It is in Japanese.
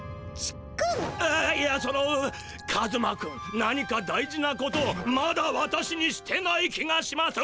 ああいやそのカズマ君何か大事なことをまだ私にしてない気がします。